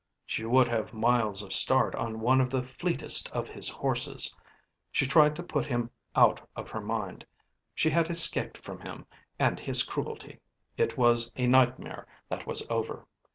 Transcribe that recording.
She would have miles of start on one of the fleetest of his horses. She tried to put him out of her mind. She had escaped from him and his cruelty, it was a nightmare that was over.